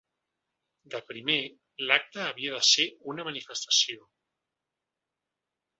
De primer, l’acte havia de ser una manifestació.